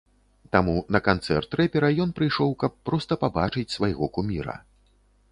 Таму на канцэрт рэпера ён прыйшоў, каб проста пабачыць свайго куміра.